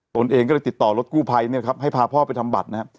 ตนเองก็เลยติดต่อรถกู้ภัยเนี่ยครับให้พาพ่อไปทำบัตรนะครับ